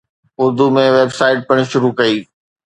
Urdu ۾ website پڻ شروع ڪئي.